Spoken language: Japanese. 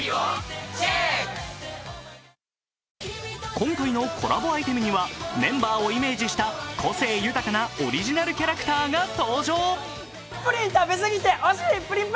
今回のコラボアイテムには、メンバーをイメージした個性豊かなオリジナルキャラクターが登場。